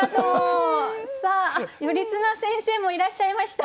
さあ頼綱先生もいらっしゃいました。